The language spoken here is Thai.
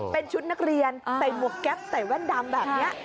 เป็นชุดนักเรียนใส่หมวกแก๊ปใส่แว่นดำแบบนี้